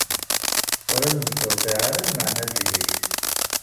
Ur asen-d-tewqiɛ ara lmeɛna seg-k.